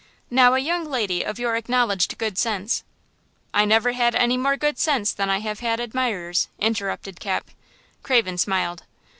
Now, a young lady of your acknowledged good sense–" "I never had any more good sense than I have had admirers," interrupted Cap. Craven smiled.